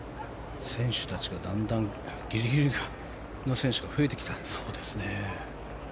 選手たちがだんだんギリギリの選手が増えてきた。